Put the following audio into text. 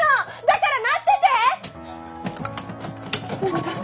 だから待っててッ！